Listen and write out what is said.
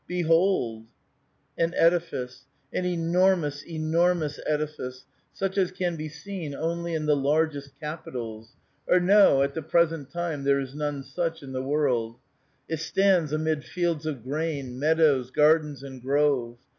Behold I " An edifice ; an enormous, enormous edifice, such as can be seen onl}* in the largest capitals — or, no, at the present time there is none such in the world, it stands amid fields of grain, meadows, gardens, and groves.